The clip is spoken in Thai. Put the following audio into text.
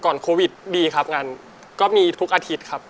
โควิดดีครับงานก็มีทุกอาทิตย์ครับ